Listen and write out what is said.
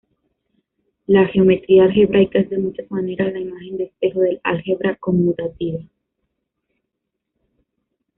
La geometría algebraica es de muchas maneras la imagen de espejo del álgebra conmutativa.